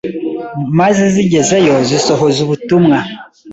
maze zigezeyo zisohoza ubutumwa.